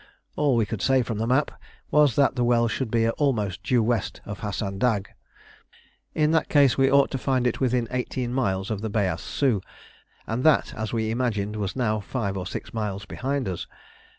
All we could say from the map was that the well should be almost due west of Hasan Dagh. In that case we ought to find it within eighteen miles of the Beyaz Sou, and that as we imagined was now five or six miles behind us.